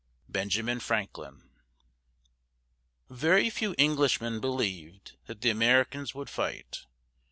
BENJAMIN FRANKLIN. Very few Englishmen believed that the Americans would fight.